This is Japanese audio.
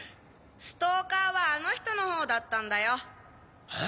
ストーカーはあの人の方だったんだよ。え？